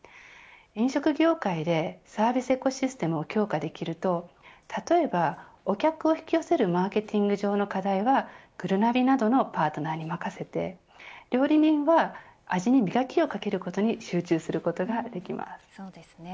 飲食業界でサービス・エコシステムを強化できると例えばお客を引き寄せるマーケティング上の課題はぐるなびなどのパートナーに任せて料理人は味に磨きをかけることに集中することができます。